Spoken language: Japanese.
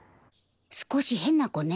少し変な子ね。